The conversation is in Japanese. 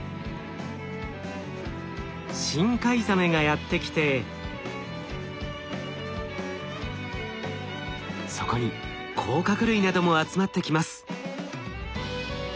深海ザメがやって来てそこに甲殻類なども集まってきます。